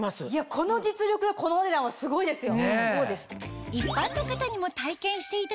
この実力でこのお値段はすごいですよ！